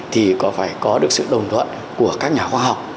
thì có phải có được sự đồng thuận của các nhà khoa học